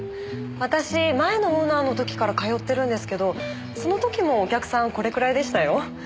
私前のオーナーの時から通ってるんですけどその時もお客さんこれくらいでしたよ。